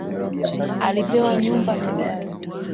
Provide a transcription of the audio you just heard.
Alipewa nyumba na gari